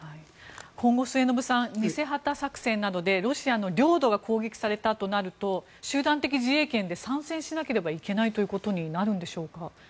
今後、末延さん偽旗作戦などでロシアの領土が攻撃されたとなると集団的自衛権で参戦しなければいけないということになるんでしょうか？